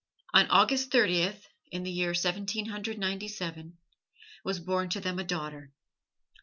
On August Thirtieth, in the year Seventeen Hundred Ninety seven, was born to them a daughter.